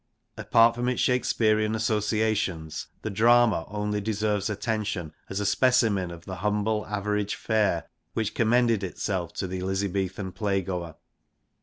Apart from its Shake spearean associations, the drama only deserves attention as a v specimen of the humble average fare which commended itself to the Elizabethan playgoer.